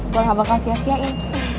gue gak bakal sia siain